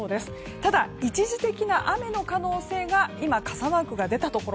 ただ、一時的な雨の可能性が今、傘マークが出たところ。